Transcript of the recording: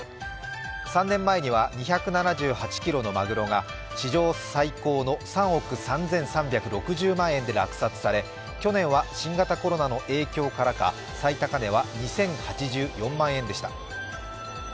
３年前には２７８ｋｇのマグロが史上最高の３億３３６０万円で落札され去年は新型コロナの影響からか、最高値は２０８４万円でした。